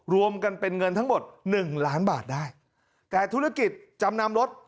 รวมกันเป็นเงินทั้งหมดหนึ่งล้านบาทได้แต่ธุรกิจจำนำรถ